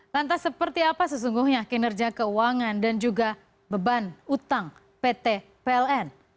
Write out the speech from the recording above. lantas seperti apa sesungguhnya kinerja keuangan dan juga beban utang pt pln